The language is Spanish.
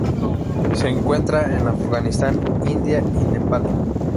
Se encuentra en Afganistán, India y Nepal.